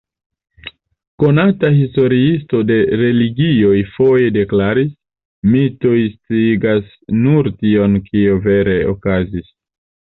Konata historiisto de religioj foje deklaris: "Mitoj sciigas nur tion, kio vere okazis.